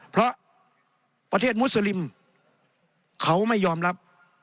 เพราะประเทศมุสลิมเขาไม่ยอมรับ